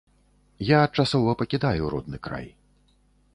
Я часова пакідаю родны край.